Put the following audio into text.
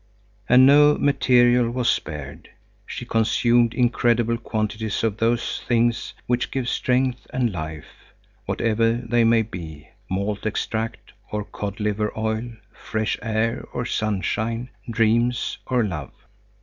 And no material was spared. She consumed incredible quantities of those things which give strength and life, whatever they may be: malt extract or codliver oil, fresh air or sunshine, dreams or love.